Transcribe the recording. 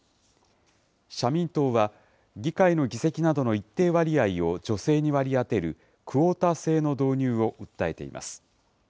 社民党は、議会の議席などの一定割合を女性に割り当てるクオータ制の導入を訴えています。